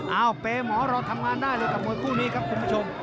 เปย์หมอรอทำงานได้เลยกับมวยคู่นี้ครับคุณผู้ชม